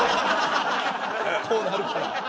こうなるから？